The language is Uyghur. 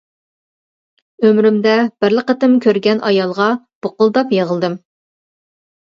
ئۆمرۈمدە بىرلا قېتىم كۆرگەن ئايالغا بۇقۇلداپ يىغلىدىم.